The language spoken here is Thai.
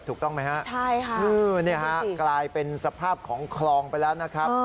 ถูกต้องไหมฮะใช่ค่ะกลายเป็นสภาพของคลองไปแล้วนะครับ